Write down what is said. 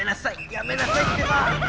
やめなさいってば！